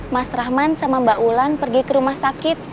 mas rahman sama mbak ulan pergi ke rumah sakit